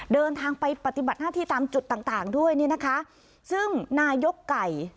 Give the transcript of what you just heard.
เดินทางไปปฏิบัติหน้าที่ตามจุดต่างต่างด้วยเนี่ยนะคะซึ่งนายกไก่